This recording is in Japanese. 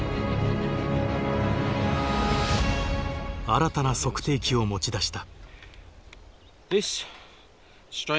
新たな測定器を持ち出した。